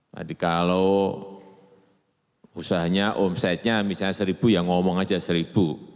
jadi kalau usahanya omsetnya misalnya seribu ya ngomong saja seribu